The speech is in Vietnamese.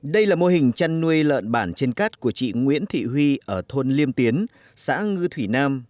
đây là mô hình chăn nuôi lợn bản trên cát của chị nguyễn thị huy ở thôn liêm tiến xã ngư thủy nam